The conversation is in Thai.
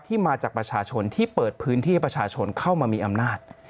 มาจากประชาชนที่เปิดพื้นที่ให้ประชาชนเข้ามามีอำนาจ